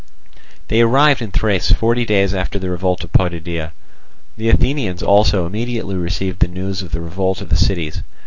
They arrived in Thrace forty days after the revolt of Potidæa. The Athenians also immediately received the news of the revolt of the cities.